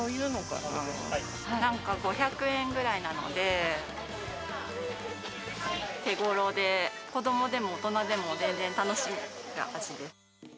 なんか５００円ぐらいなので、手ごろで、子どもでも大人でも、全然楽しめる味です。